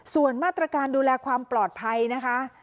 ส่วนมาตรการดูแลความปลอดภัยนะคะ